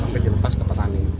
sampai dilepas ke petani